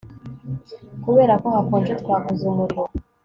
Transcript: Kubera ko hakonje twakoze umuriro